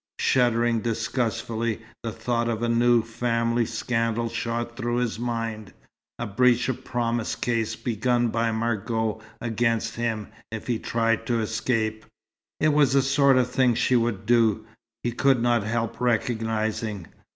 Shuddering disgustfully, the thought of a new family scandal shot through his mind: a breach of promise case begun by Margot against him, if he tried to escape. It was the sort of thing she would do, he could not help recognizing.